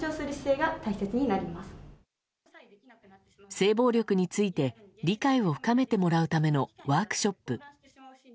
性暴力について理解を深めてもらうためのワークショップ。